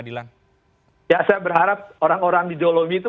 ya saya berharap orang orang di jolomi itu